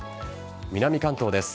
南関東です。